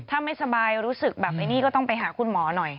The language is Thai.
ถ้าไม่สบายรู้สึกแบบไอ้นี่ก็ต้องไปหาคุณหมอหน่อย